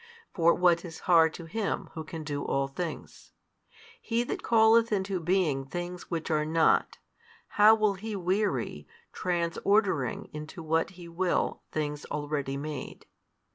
For what is hard to Him Who can do all things? He that calleth into being things which are not, how will He weary, trans ordering into what He will things already made?